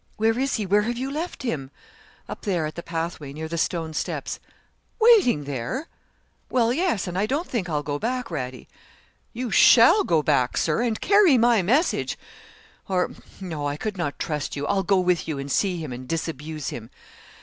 'Where is he? Where have you left him?' 'Up there, at the pathway, near the stone steps.' 'Waiting there?' 'Well, yes; and I don't think I'll go back, Radie.' 'You shall go back, Sir, and carry my message; or, no, I could not trust you. I'll go with you and see him, and disabuse him.